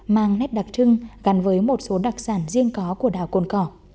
mang nét đặc trưng gắn với một số đặc sản riêng có của đảo cồn cỏ